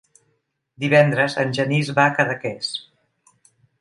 Divendres en Genís va a Cadaqués.